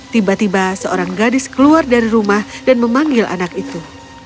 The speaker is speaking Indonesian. tiba tiba seorang gadis keluar dari rumah dan memanggil anak itu